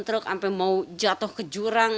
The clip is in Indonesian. truk sampai mau jatuh ke jurang